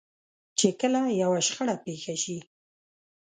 چې کله يوه شخړه پېښه شي.